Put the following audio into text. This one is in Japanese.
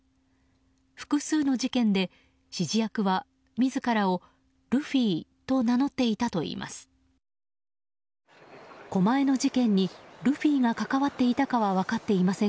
複数の事件で指示役は自らをルフィと名乗っていたといいます。